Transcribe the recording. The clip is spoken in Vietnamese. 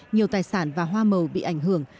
nhiều tài sản và hoa màu bị ảnh hưởng